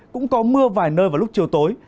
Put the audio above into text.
cũng có mưa vài nơi vào lúc chiều tối